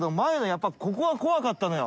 やっぱりここが怖かったのよ。